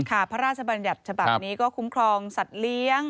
พระราชบัญญัติฉบับนี้ก็คุ้มครองสัตว์เลี้ยง